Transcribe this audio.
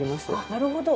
なるほど。